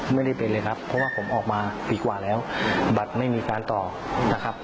ไม่ได้เป็นเลยครับเพราะว่าผมออกมาปีกว่าแล้วบัตรไม่มีการต่อนะครับ